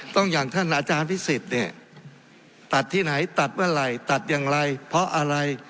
อย่างท่านอาจารย์พิสิทธิ์เนี่ยตัดที่ไหนตัดเมื่อไหร่ตัดอย่างไรเพราะอะไร